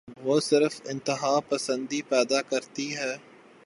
وہ صرف انتہا پسندی پیدا کرتی ہے۔